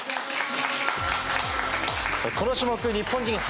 この種目日本人